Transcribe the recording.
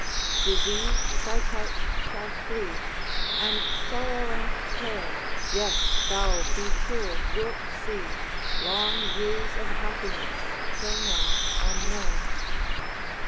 "Disease thy couch shall flee, And sorrow and care; yes, thou, be sure, wilt see Long years of happiness, till now unknown."